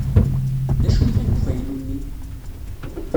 D acu yellan deg ufaylu-nni?